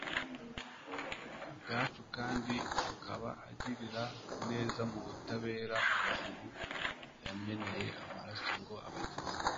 ku bwacu, kandi akaba agirira neza mu butabera abantu yameneye amaraso ngo abakize;